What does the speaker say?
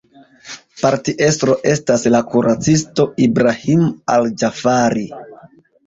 Partiestro estas la kuracisto Ibrahim al-Ĝafari.